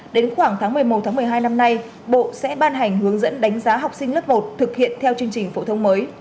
đến khoảng tháng một mươi một tháng một mươi hai năm nay bộ sẽ ban hành hướng dẫn đánh giá học sinh lớp một thực hiện theo chương trình phổ thông mới